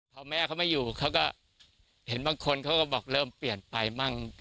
พอแม่เขาไม่อยู่เขาก็เห็นบางคนเขาก็บอกเริ่มเปลี่ยนไปมั่ง